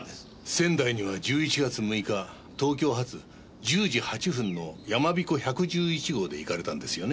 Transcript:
仙台には１１月６日東京発１０時８分のやまびこ１１１号で行かれたんですよね？